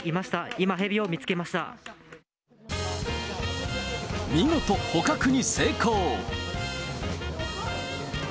今、見事、捕獲に成功。